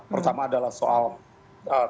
pertama adalah soal teh